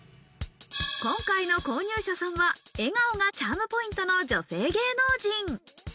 今回の購入者さんは、笑顔がチャームポイントの女性芸能人。